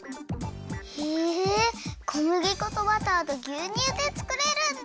へえこむぎ粉とバターとぎゅうにゅうでつくれるんだ！